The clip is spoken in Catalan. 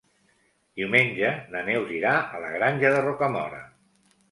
Diumenge na Neus irà a la Granja de Rocamora.